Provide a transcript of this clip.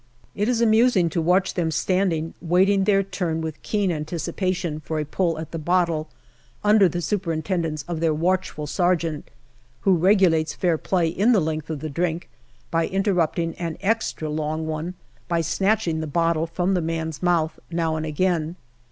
It is amusing to watch them standing waiting their turn, with keen anticipation, for a pull at the bottle under the superintendence of their watchful sergeant, who regu lates fair play in the length of the drink by interrupting an extra long one by snatching the bottle from the man's mouth, now and again.